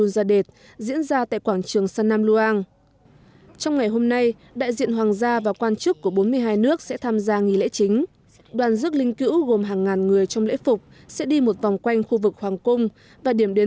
xin chào và hẹn gặp lại